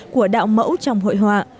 của đạo mẫu trong hội họa